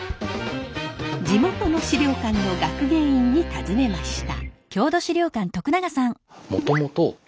地元の資料館の学芸員に尋ねました。